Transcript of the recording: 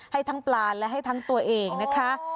ให้ทั้งปลาและให้ทั้งตัวเองนะคะ